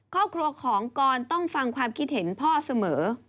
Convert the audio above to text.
ครอบครัวของกรต้องฟังความคิดเห็นพ่อเสมอ